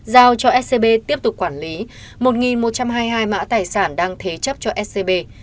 giao cho scb tiếp tục quản lý một một trăm hai mươi hai mã tài sản đang thế chấp cho scb